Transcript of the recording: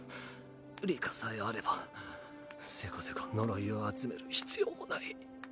里香さえあればせこせこ呪いを集める必要もない。